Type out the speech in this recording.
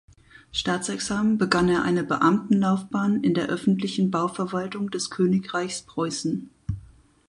Staatsexamen begann er eine Beamtenlaufbahn in der öffentlichen Bauverwaltung des Königreichs Preußen.